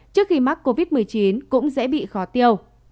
trước khi mắc covid một mươi chín cũng dễ bị khó tiêu